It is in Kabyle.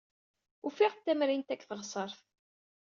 Ufiɣ-d tamrint-a deg teɣsert.